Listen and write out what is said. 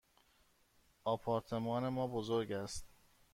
آپارتمان ما بزرگ است.